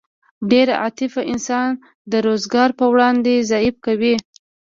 ډېره عاطفه انسان د روزګار په وړاندې ضعیف کوي